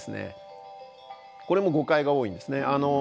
これも誤解が多いんですね。